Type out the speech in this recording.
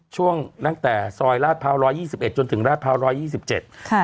ช่วงตั้งแต่ซอยลาดพร้าวร้อยยี่สิบเอ็ดจนถึงราชพร้าวร้อยยี่สิบเจ็ดค่ะ